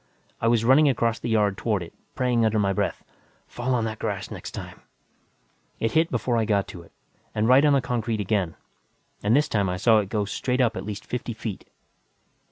I was running across the yard toward it, praying under my breath, Fall on that grass next time. It hit before I got to it, and right on the concrete again, and this time I saw it go straight up at least fifty feet.